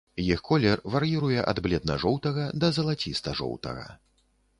Іх колер вар'іруе ад бледна-жоўтага да залаціста-жоўтага.